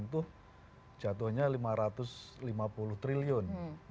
itu jatuhnya lima ratus lima puluh triliun